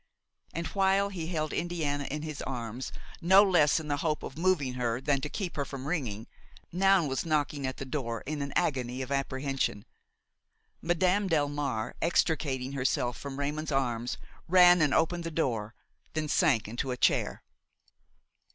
And while he held Indiana in his arms, no less in the hope of moving her than to keep her from ringing, Noun was knocking at the door in an agony of apprehension. Madame Delmare, extricating herself from Raymon's arms, ran and opened the door, then sank into a chair.